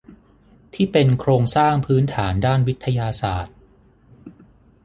ที่เป็นโครงสร้างพื้นฐานด้านวิทยาศาสตร์